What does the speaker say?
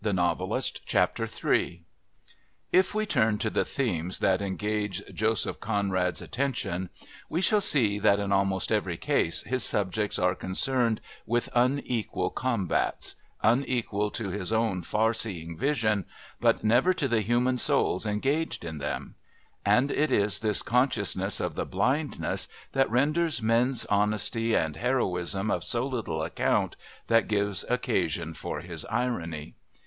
III If we turn to the themes that engage Joseph Conrad's attention we shall see that in almost every case his subjects are concerned with unequal combats unequal to his own far seeing vision, but never to the human souls engaged in them, and it is this consciousness of the blindness that renders men's honesty and heroism of so little account that gives occasion for his irony.